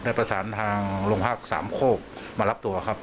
ได้ประสานทางลงหากสามโขวบมารับตัวครับ